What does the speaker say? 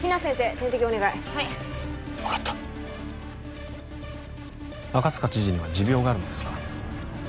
点滴お願いはい分かった赤塚知事には持病があるのですか？